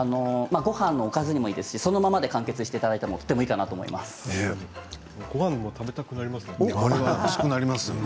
ごはんのおかずでもいいですしそのままで完結していただいてもごはんも食べたくなります。